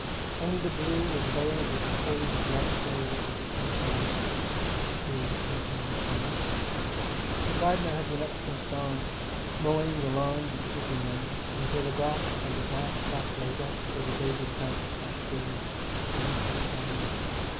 Only the blue was veiled with a haze of light gold, as it is sometimes in early summer. The gardener had been up since dawn, mowing the lawns and sweeping them, until the grass and the dark flat rosettes where the daisy plants had been seemed to shine.